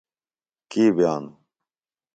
کی بئانوۡ؟